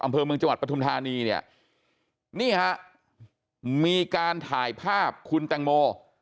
อำเภอเมืองจังหวัดปทุมธานีเนี่ยนี่ฮะมีการถ่ายภาพคุณแตงโม